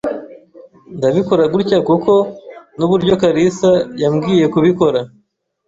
Ndabikora gutya kuko nuburyo kalisa yambwiye kubikora.